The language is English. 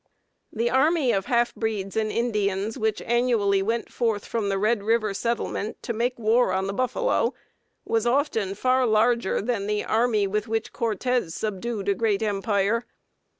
The army of half breeds and Indians which annually went forth from the Red River settlement to make war on the buffalo was often far larger than the army with which Cortez subdued a great empire.